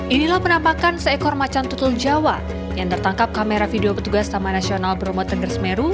inilah penampakan seekor macan tutul jawa yang tertangkap kamera video petugas taman nasional bromo tengger semeru